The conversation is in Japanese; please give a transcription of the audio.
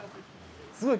すごい！